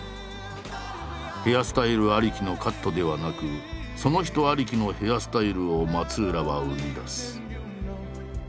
ヘアスタイルありきのカットではなくその人ありきのヘアスタイルを松浦は生み出す。